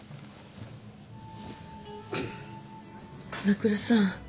長倉さん。